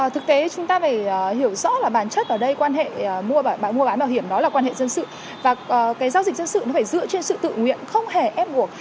thực tế chúng ta phải hiểu rõ là bản chất ở đây quan hệ mua bán bảo hiểm đó là quan hệ dân sự và cái giao dịch dân sự nó phải dựa trên sự tự nguyện không hề ép buộc